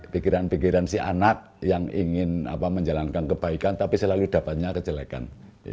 pikiran pikiran si anak yang ingin menjalankan kebaikan tapi selalu dapatnya kejelekan